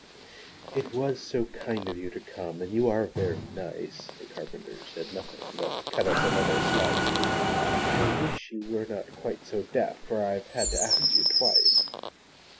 'It was so kind of you to come! And you are very nice!' The Carpenter said nothing but 'Cut us another slice I wish you were not quite so deaf I've had to ask you twice!'